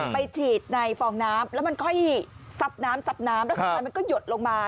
ไปฉีดในฟองน้ำแล้วมันค่อยซับน้ำซับน้ำแล้วสุดท้ายมันก็หยดลงมา